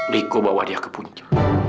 riko bawa dia ke puncak